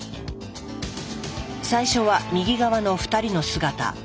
最初は右側の２人の姿。